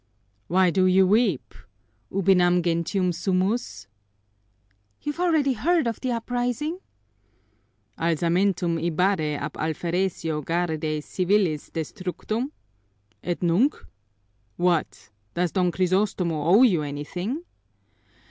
"Why do you weep? Ubinam gentium sumus?" "You've already heard of the uprising?" "Alzamentum Ibarrae ab alferesio Guardiae Civilis destructum? Et nunc? What! Does Don Crisostomo owe you anything?"